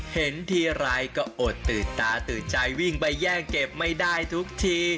เห็นทีไรก็อดตื่นตาตื่นใจวิ่งไปแย่งเก็บไม่ได้ทุกที